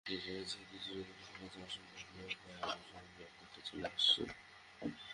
ক্রিকেটটা যেহেতু চিরদিন খেলে যাওয়া সম্ভব নয়, তাই অবসরের ব্যাপারটা চলে আসেই।